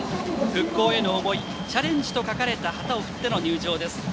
復興への思い、「チャレンジ」と書かれた旗を振っての入場です。